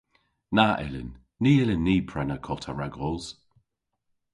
Na yllyn. Ny yllyn ni prena kota ragos.